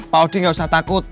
pak odi nggak usah takut